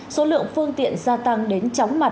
số lượng phương tiện gia tăng đến chóng mặt